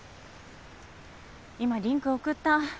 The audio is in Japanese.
今リンク送った。